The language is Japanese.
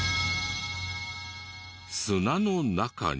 砂の中に。